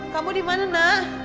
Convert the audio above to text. kamu dimana ma